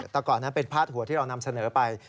แต่ก่อนนั้นเป็นพาดหัวที่เรานำเสนอไป